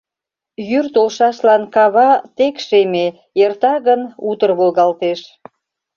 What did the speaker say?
Йӱр толшашлан кава тек шеме, Эрта гын, утыр волгалтеш.